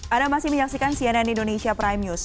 anda masih menyaksikan cnn indonesia prime news